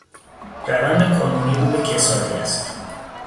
روند کنونی رو به کسادی است.